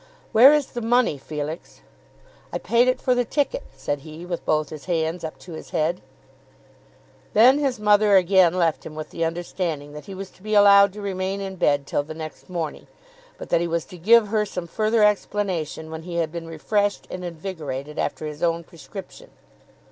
"Where is the money, Felix?" "I paid it for the ticket," said he, with both his hands up to his head. Then his mother again left him with the understanding that he was to be allowed to remain in bed till the next morning; but that he was to give her some further explanation when he had been refreshed and invigorated after his own prescription.